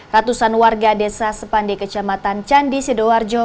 ratusan warga desa sepande kecamatan candi sidoarjo